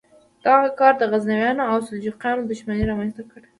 دغه کار د غزنویانو او سلجوقیانو دښمني رامنځته کړه.